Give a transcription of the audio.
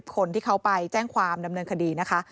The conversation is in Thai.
คนที่เขาไปแจ้งความดำเนินคดีนะคะ